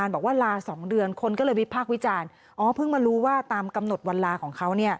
เพิ่งมารู้ว่าตามกำหนดวันลาของเขา